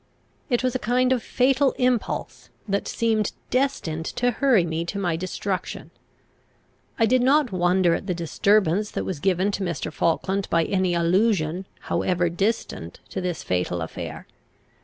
It was a kind of fatal impulse, that seemed destined to hurry me to my destruction. I did not wonder at the disturbance that was given to Mr. Falkland by any allusion, however distant, to this fatal affair.